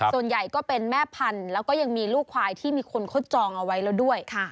ส่วนใหญ่ก็เป็นแม่พันธุ์แล้วก็ยังมีลูกควายที่มีคนเขาจองเอาไว้แล้วด้วย